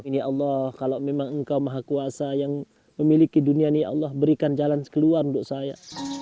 ini allah kalau memang engkau maha kuasa yang memiliki dunia ini allah berikan jalan keluar untuk saya